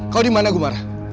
kau di mana gumbara